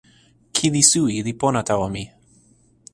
kili suwi li pona tawa mi.